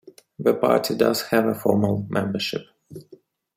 The party does have a formal membership.